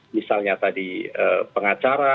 misalnya tadi pengacara